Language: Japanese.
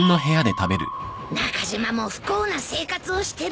中島も不幸な生活をしてるんだな。